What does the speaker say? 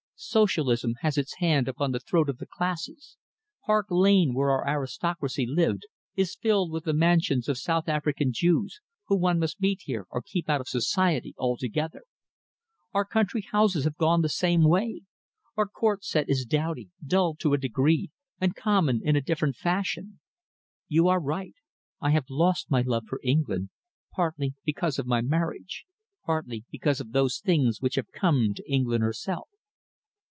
Socialism has its hand upon the throat of the classes. Park Lane, where our aristocracy lived, is filled with the mansions of South African Jews, whom one must meet here or keep out of society altogether. Our country houses have gone the same way. Our Court set is dowdy, dull to a degree, and common in a different fashion. You are right. I have lost my love for England, partly because of my marriage, partly because of those things which have come to England herself."